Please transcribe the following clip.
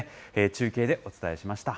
中継でお伝えしました。